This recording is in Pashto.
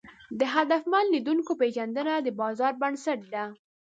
د هدفمن لیدونکو پېژندنه د بازار بنسټ ده.